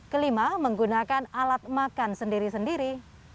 kelima menggunakan alat makan sendiri sendiri